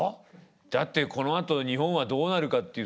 だってこのあと日本はどうなるかっていう。